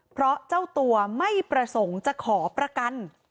เพราะเจ้าตัวไม่ประสงค์จะขอประกัน